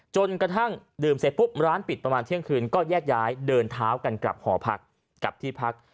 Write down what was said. จนกระทั่งดื่มเสร็จปุ๊บร้านปิดประมาณเที่ยงคืนก็แยกย้ายเดินเท้ากันกลับหอพักกลับที่พัก